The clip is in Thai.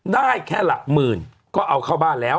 ได้แค่หลักหมื่นก็เอาเข้าบ้านแล้ว